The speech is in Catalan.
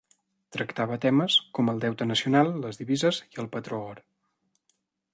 Tractava temes com el deute nacional, les divises i el patró or.